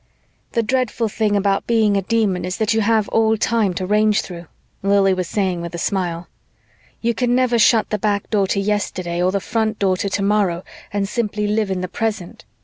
"The dreadful thing about being a Demon is that you have all time to range through," Lili was saying with a smile. "You can never shut the back door to yesterday or the front door to tomorrow and simply live in the present.